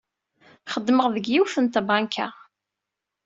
Xeddmeɣ deg yiwet n tbanka.